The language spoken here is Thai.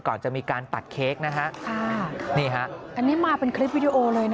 ก่อนจะมีการตัดเค้กนะฮะค่ะนี่ฮะอันนี้มาเป็นคลิปวิดีโอเลยนะ